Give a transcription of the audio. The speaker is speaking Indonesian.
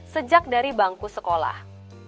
sejak dari bangku sekolah